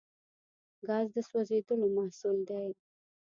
ګاز د سوځیدلو محصول دی.